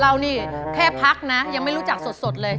เรานี่แค่พักนะยังไม่รู้จักสดเลย